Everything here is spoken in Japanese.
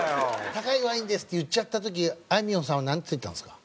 「高いワインです」って言っちゃった時あいみょんさんはなんて言ってたんですか？